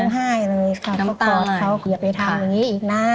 กลับกลับเขาเขียบไว้ทางนี้อีกนะ